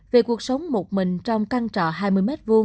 về cuộc sống một mình trong căn trò hai mươi m hai